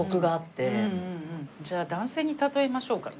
じゃあ男性に例えましょうかね。